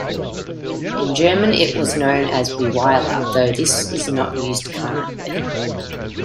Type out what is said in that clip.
In German it was known as "Bewiler" though this is not used currently.